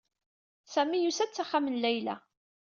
Sami yusa-d s axxam n Layla.